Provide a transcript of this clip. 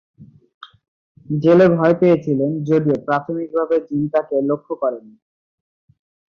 জেলে ভয় পেয়েছিলেন, যদিও প্রাথমিকভাবে জিন তাকে লক্ষ্য করেনি।